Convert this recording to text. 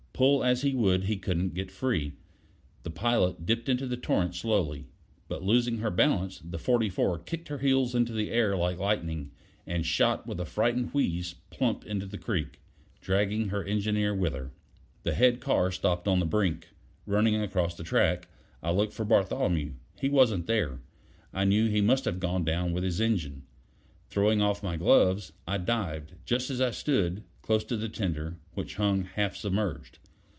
Pull as he would he couldn't get free. The pilot dipped into the torrent slowly. But losing her balance, the 44 kicked her heels into the air like lightning, and shot with a frightened wheeze plump into the creek, dragging her engineer with her. The head car stopped on the brink. Running across the track, I looked for Bartholomew. He wasn't there; I knew he must have gone down with his engine. Throwing off my gloves, I dived, just as I stood, close to the tender, which hung half submerged.